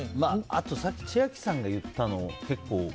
あと、さっき千秋さんが言ったの、結構。